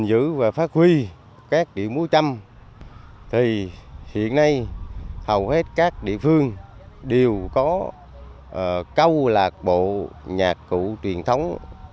để giữ và phát huy các địa múa chăm thì hiện nay hầu hết các địa phương đều có câu lạc bộ nhạc cụ truyền thống